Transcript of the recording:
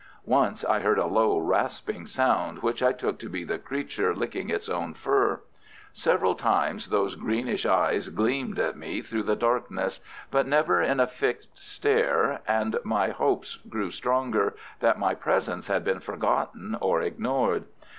Once I heard a low, rasping sound, which I took to be the creature licking its own fur. Several times those greenish eyes gleamed at me through the darkness, but never in a fixed stare, and my hopes grew stronger that my presence had been forgotten or ignored.